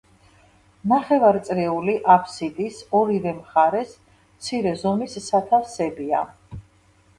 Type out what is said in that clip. ნახევარწრიული აფსიდის ორივე მხარეს მცირე ზომის სათავსებია.